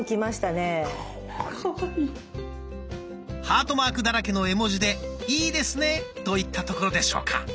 ハートマークだらけの絵文字で「いいですね」といったところでしょうか。